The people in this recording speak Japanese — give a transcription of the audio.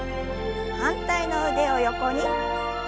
反対の腕を横に。